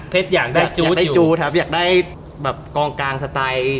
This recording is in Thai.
เพชรอยากได้จู๊ดอยู่อยากได้จู๊ดครับอยากได้กล้องกลางสไตล์